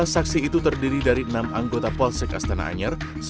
lima belas saksi itu terdiri dari enam anggota polsek astana anyar